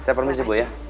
saya permisi bu ya